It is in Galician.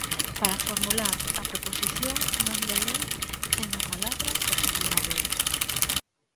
Para formular a proposición non de lei, ten a palabra o señor Aboi.